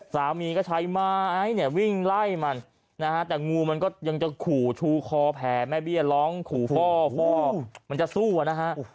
สามีก็ใช้ไม้เนี่ยวิ่งไล่มันนะฮะแต่งูมันก็ยังจะขู่ชูคอแผลแม่เบี้ยร้องขู่พ่อพ่อมันจะสู้อ่ะนะฮะ